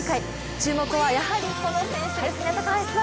注目は、やはりこの選手ですね高橋さん。